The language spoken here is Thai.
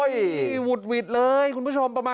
นี่หุดหวิตเลยคุณผู้ชม